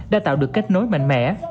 đã tạo được kết nối mạnh mẽ